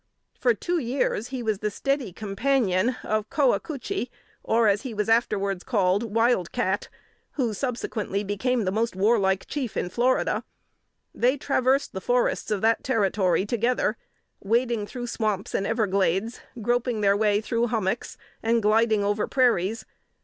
For two years, he was the steady companion of Coacoochee, or, as he was afterwards called, "Wild Cat," who subsequently became the most warlike chief in Florida. They traversed the forests of that territory together, wading through swamps and everglades, groping their way through hommocks, and gliding over prairies.